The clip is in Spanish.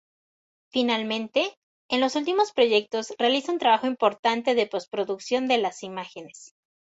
Finalmente, en los últimos proyectos realiza un trabajo importante de postproducción de las imágenes.